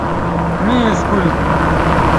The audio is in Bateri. می اسکول